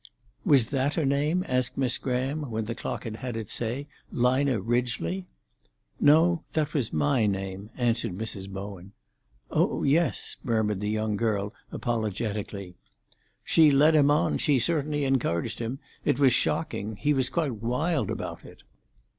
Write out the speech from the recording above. "Was that her name?" asked Miss Graham, when the clock had had its say. "Lina Ridgely?" "No; that was my name," answered Mrs. Bowen. "Oh yes!" murmured the young girl apologetically. "She led him on; she certainly encouraged him. It was shocking. He was quite wild about it."